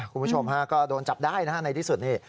คุณผู้ชมฮะก็โดนจับได้นะฮะในที่สุดนี่